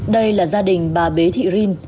đây là gia đình bà bế thị rin